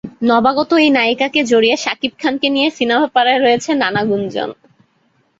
নবাগত এই নায়িকাকে জড়িয়ে শাকিব খানকে নিয়ে সিনেমাপাড়ায় রয়েছে নানা গুঞ্জন।